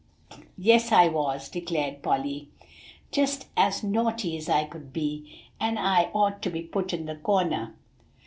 "Yes, I was," declared Polly; "just as naughty as I could be, and I ought to be put in the corner."